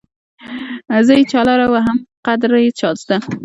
زه يې چالره وهم قدر يې چازده